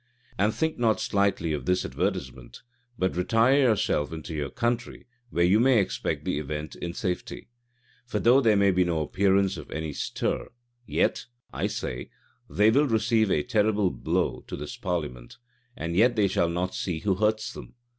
And think not slightly of this advertisement; but retire yourself into your country, where you may expect the event in safety. For though there be no appearance of any stir, yet, I say, they will receive a terrible blow this parliament, and yet they shall not see who hurts them.